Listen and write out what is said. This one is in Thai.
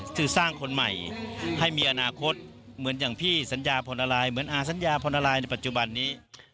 คือสร้างคนใหม่ให้มีอนาคตเหมือนอย่างพี่สัญญาพรอะไรเหมือนอาสัญญาพรนาลายในปัจจุบันนี้